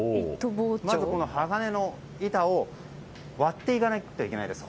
まず、鋼の板を割っていかないといけないんです。